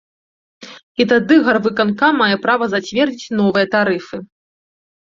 І тады гарвыканкам мае права зацвердзіць новыя тарыфы.